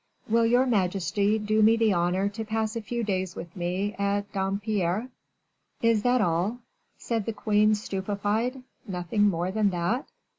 "Will your majesty do me the honor to pass a few days with me at Dampierre?" "Is that all?" said the queen, stupefied. "Nothing more than that?"